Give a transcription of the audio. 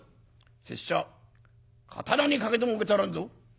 拙者刀にかけても受け取らんぞ。